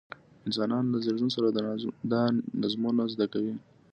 انسانان له زېږون سره دا نظمونه زده کوي.